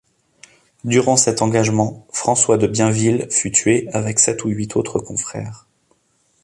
Durant cet engagement, François de Bienville fut tué, avec sept ou huit autres confrères.